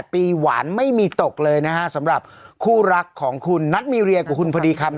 พี่ตกเลยนะฮะสำหรับคู่รักของคุณนัทมีเรียกับคุณพอดีครับ